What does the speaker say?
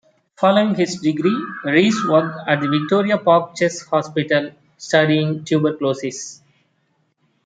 Following his degree, Rees worked at the Victoria Park Chest Hospital, studying tuberculosis.